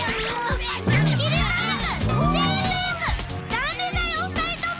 ダメだよ２人とも！